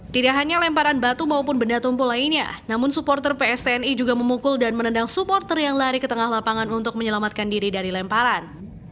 tidak hanya lemparan batu maupun benda tumpul lainnya namun supporter pstni juga memukul dan menendang supporter yang lari ke tengah lapangan untuk menyelamatkan diri dari lemparan